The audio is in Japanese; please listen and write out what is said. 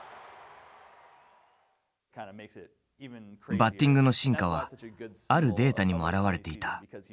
バッティングの進化はあるデータにも表れていた。